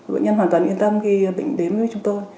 bệnh nhân hoàn toàn yên tâm khi bệnh đến với chúng tôi